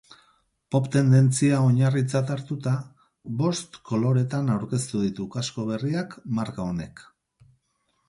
Pop tendentzia oinarritzat hartuta bost koloretan aurkeztu ditu kasko berriak marka honek.